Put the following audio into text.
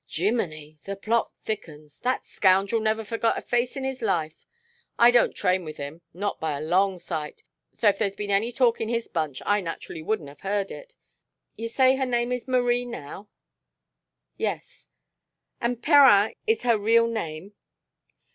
"Jimminy! The plot thickens. That scoundrel never forgot a face in his life. I don't train with him not by a long sight so if there's been any talk in his bunch, I naturally wouldn't have heard it. You say her name is Marie now?" "Yes." "And Perrin is her real name?"